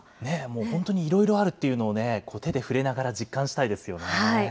本当にいろいろあるっていうのをね、手で触れながら実感したいですよね。